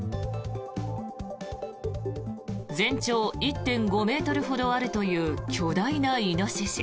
全長１．５ｍほどあるという巨大なイノシシ。